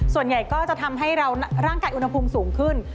ส่วนใหญ่ก็จะทำให้เราร่างกายอุณหภูมิสูงขึ้น